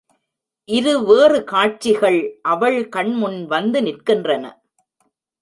இரு வேறு காட்சிகள் அவள் கண் முன் வந்து நிற்கின்றன.